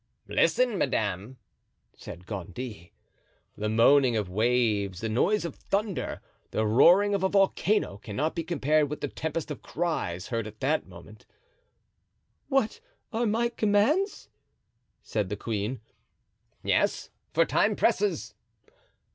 "Listen, madame," said Gondy. The moaning of waves, the noise of thunder, the roaring of a volcano, cannot be compared with the tempest of cries heard at that moment. "What are my commands?" said the queen. "Yes, for time presses."